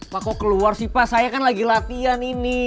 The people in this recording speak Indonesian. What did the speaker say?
pak kok keluar sih pak saya kan lagi latihan ini